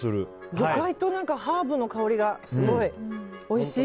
魚介とハーブの香りがすごいおいしい！